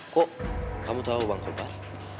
kok kamu tahu bang kobar